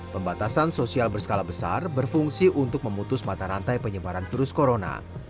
pembatasan sosial berskala besar berfungsi untuk memutus mata rantai penyebaran virus corona